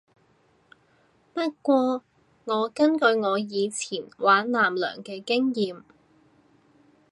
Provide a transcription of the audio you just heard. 不過我根據我以前玩艦娘嘅經驗